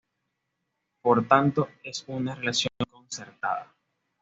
Por tanto es una reacción concertada.